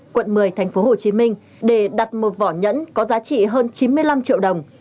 quận một mươi tp hcm để đặt một vỏ nhẫn có giá trị hơn chín mươi năm triệu đồng